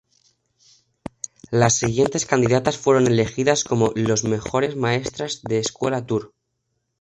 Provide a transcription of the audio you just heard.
Las siguientes candidatas fueron elegidas como los "Mejores Maestras de Escuela Tour"